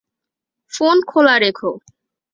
Phone খোলা রেখো।